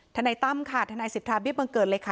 ทนายตั้มค่ะทนายสิทธาเบี้บังเกิดเลยค่ะ